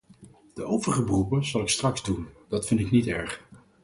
De overige beroepen zal ik straks doen, dat vind ik niet erg.